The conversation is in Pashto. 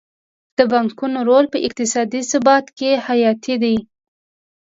د بانکونو رول په اقتصادي ثبات کې حیاتي دی.